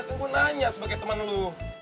kan gue nanya sebagai temen lu